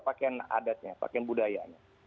pakaian adatnya pakaian budaya